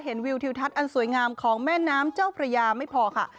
วิวทิวทัศน์อันสวยงามของแม่น้ำเจ้าพระยาไม่พอค่ะ